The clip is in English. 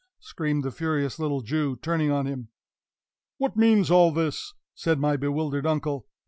screamed the furious little Jew, turning on him. "What means all this?" said my bewildered uncle.